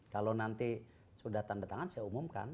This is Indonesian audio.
kalau nanti sudah tanda tangan saya umumkan